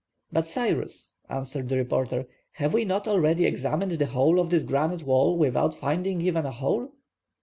"But, Cyrus," answered the reporter, "have we not already examined the whole of this great granite wall without finding even a hole?"